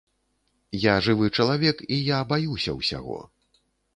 Я жывы чалавек і я баюся ўсяго.